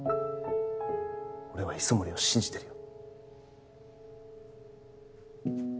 俺は磯森を信じてるよ。